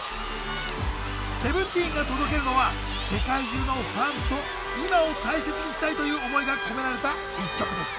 ＳＥＶＥＮＴＥＥＮが届けるのは世界中のファンと「今」を大切にしたいという思いが込められた１曲です。